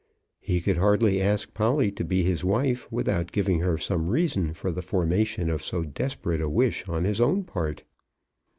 He could hardly ask Polly to be his wife without giving her some reason for the formation of so desperate a wish on his own part.